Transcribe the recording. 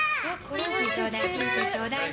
ピンキーちょうだいピンキーちょうだい。